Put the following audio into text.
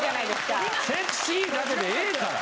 「セクシー」だけでええから！